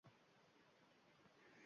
Tayyormisiz?" shiori yordamida